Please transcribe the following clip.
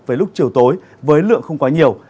với lúc chiều tối với lượng không quá nhiều